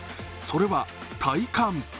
それは、体幹。